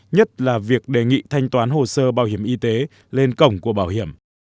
nhất là việc đề nghị thanh toán hồ sơ bảo hiểm y tế lên cổng của bảo hiểm